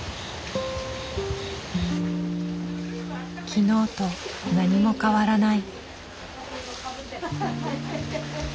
昨日と何も変わらない。